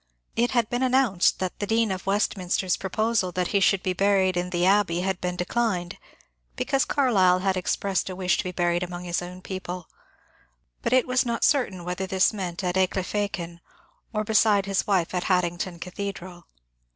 It had been annoimced that the Dean of West minster's proposal that he should be buried in the Abbey had been declined, because Carlyle had expressed a wish to be buried among his own people ; but it was not certain whether this meant at Ecclefechan or beside his wife at Haddington cathedral.